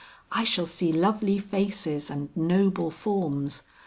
I shall see lovely faces and noble forms.